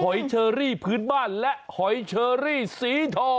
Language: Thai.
เชอรี่พื้นบ้านและหอยเชอรี่สีทอ